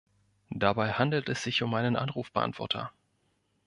Dabei handelt es sich um einen Anrufbeantworter.